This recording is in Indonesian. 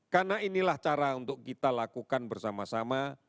karena inilah cara untuk kita lakukan bersama sama